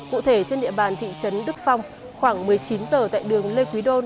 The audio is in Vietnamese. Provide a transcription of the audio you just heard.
cụ thể trên địa bàn thị trấn đức phong khoảng một mươi chín giờ tại đường lê quý đôn